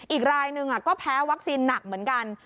อีกรายหนึ่งก็แพ้วัคซีนหนักเหมือนกัน